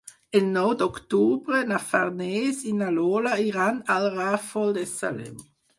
El nou d'octubre na Farners i na Lola iran al Ràfol de Salem.